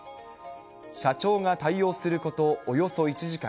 社長が対応することおよそ１時間。